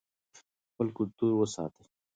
خپل کلتور وساتئ.